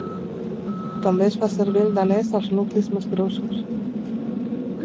També es fa servir el danès als nuclis més grossos.